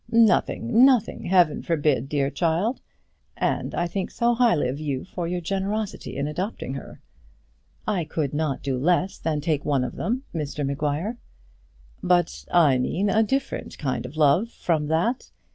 "Nothing, nothing; Heaven forbid, dear child! And I think so highly of you for your generosity in adopting her." "I could not do less than take one of them, Mr Maguire." "But I meant a different kind of love from that.